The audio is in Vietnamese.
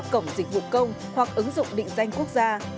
cổng dịch vụ công hoặc ứng dụng định danh quốc gia